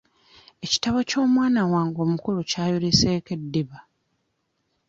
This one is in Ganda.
Ekitabo ky'omwana wange omukulu kyayuliseeko eddiba.